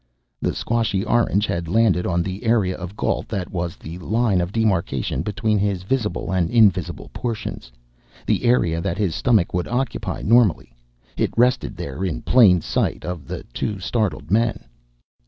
The squashy orange had landed on the area of Gault that was the line of demarkation between his visible and invisible portions the area that his stomach would occupy normally. It rested there in plain sight of the two startled men.